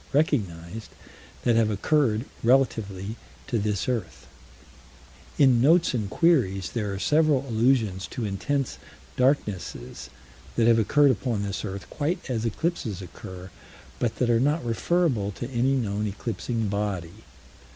recognized, that have occurred relatively to this earth: In Notes and Queries there are several allusions to intense darknesses that have occurred upon this earth, quite as eclipses occur, but that are not referable to any known eclipsing body.